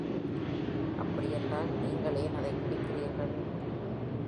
அப்படியென்றால், நீங்கள் ஏன் அதை குடிக்கிறீர்கள்?